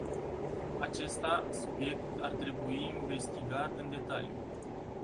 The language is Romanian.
Acesta subiect ar trebui investigat în detaliu.